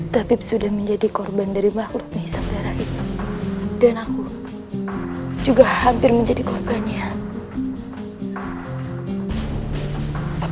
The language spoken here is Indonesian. tapi sudah menjadi korban dari makhluknya saudara itu dan aku juga hampir menjadi korbannya